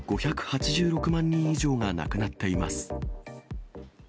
５８６万人以上が亡くなっています。